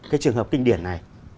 cái trường hợp kinh điển này